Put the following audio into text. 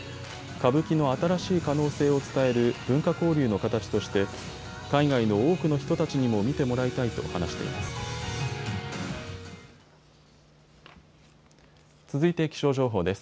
歌舞伎の新しい可能性を伝える文化交流の形として海外の多くの人たちにも見てもらいたいと話しています。